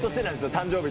誕生日